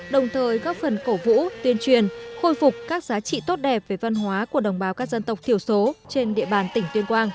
đồng thời góp phần cổ vũ tuyên truyền khôi phục các giá trị tốt đẹp về văn hóa của đồng bào các dân tộc thiểu số trên địa bàn tỉnh tuyên quang